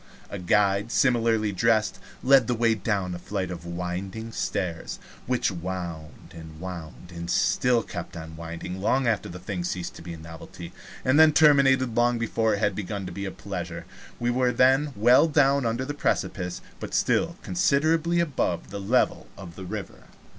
A guide, similarly dressed, led the way down a flight of winding stairs, which wound and wound, and still kept on winding long after the thing ceased to be a novelty, and then terminated long before it had begun to be a pleasure. We were then well down under the precipice, but still considerably above the level of the river.